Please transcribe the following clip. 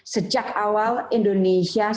sejak awal indonesia